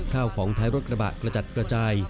ข้าวของท้ายรถกระบะกระจัดกระจาย